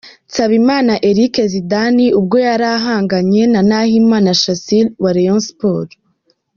Nsabimana Eric Zidane ubwo yari ahanganye na Nahimana Shassir wa Rayon Sports.